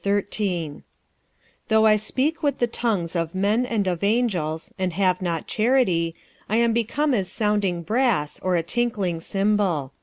46:013:001 Though I speak with the tongues of men and of angels, and have not charity, I am become as sounding brass, or a tinkling cymbal.